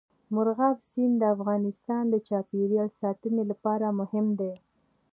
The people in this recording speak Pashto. مورغاب سیند د افغانستان د چاپیریال ساتنې لپاره مهم دي.